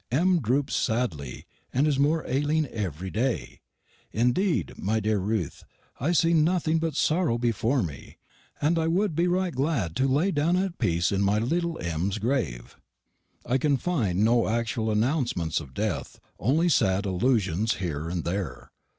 M. droopes sadly, and is more ailing everry day. Indede, my dere Ruth, I see nothing butt sorrow before me, and I wou'd be right gladd to lay down at peece in my littel M.'s grave." I can find no actual announcements of death, only sad allusions here and there.